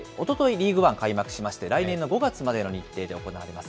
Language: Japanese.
リーグワン開幕しまして、来年の５月までの日程で行われます。